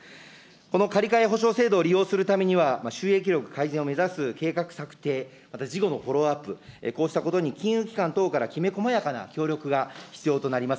この借り換え保証制度を利用するためには、収益力改善を目指す計画策定、また事業のフォローアップ、こうしたことに金融機関等からきめこまやかな協力が必要となります。